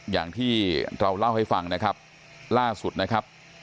อย่างที่เราเล่าให้ฟังนะครับล่าสุดนะครับ